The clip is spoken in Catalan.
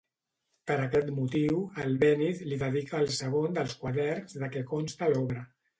Per aquest motiu, Albéniz li dedica el segon dels quaderns de què consta l'obra.